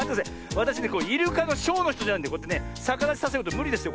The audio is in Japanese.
わたしねイルカのショーのひとじゃないんでさかだちさせることむりですよ